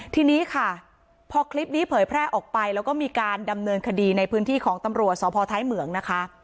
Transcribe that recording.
ทีนี้ค่ะพอคลิปนี้เผยแพร่ออกไปแล้วก็มีการดำเนินคดีในพื้นที่ของตำรวจสพท้ายเหมืองนะคะ